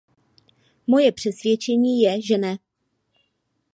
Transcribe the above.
Moje přesvědčení je, že ne.